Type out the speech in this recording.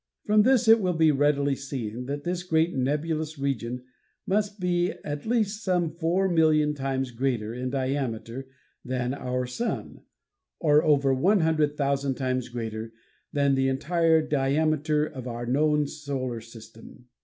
From this it will be readily seen that this great nebulous region must be at least some four million times greater in diameter than our Sun, or over one hundred thousand times greater than the entire diameter of our known solar system.